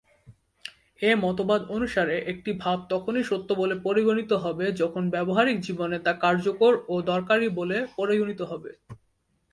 এ-মতবাদ অনুসারে, একটি ভাব তখনই সত্য বলে পরিগণিত হবে যখন ব্যবহারিক জীবনে তা কার্যকর ও দরকারি বলে পরিগণিত হবে।